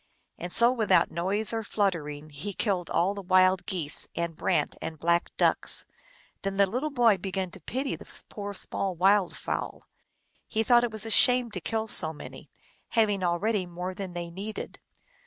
And so without noise or fluttering he killed all the Wild Geese and Brant and Black Ducks. Then the little boy began to pity the poor small wild fowl. He thought it was a shame to kill so many, having al ready more than they needed.